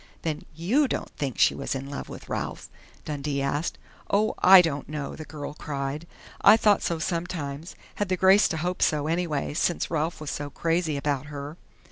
"Then you don't think she was in love with Ralph?" Dundee asked. "Oh, I don't know!" the girl cried. "I thought so sometimes had the grace to hope so, anyway, since Ralph was so crazy about her."